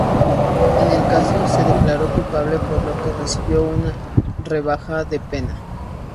En el caso se declaró culpable, por lo que recibió una rebaja de pena.